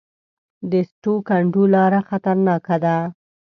د سټو کنډو لاره خطرناکه ده